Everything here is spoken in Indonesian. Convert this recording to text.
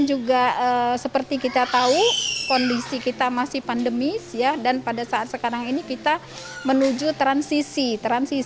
juga seperti kita tahu kondisi kita masih pandemi dan pada saat sekarang ini kita menuju transisi